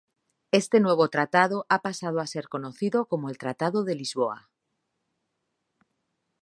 Este nuevo tratado ha pasado a ser conocido como el Tratado de Lisboa.